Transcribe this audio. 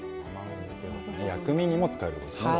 薬味にも使えるわけですね。